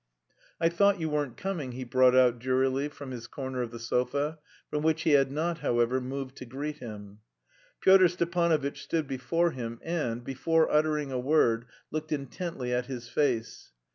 "I thought you weren't coming," he brought out drearily from his corner of the sofa, from which he had not, however, moved to greet him. Pyotr Stepanovitch stood before him and, before uttering a word, looked intently at his face.